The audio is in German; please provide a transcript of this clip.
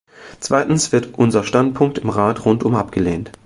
Zweitens wird unser Standpunkt im Rat rundum abgelehnt.